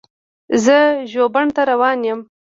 زه ژوبڼ ته روان یم.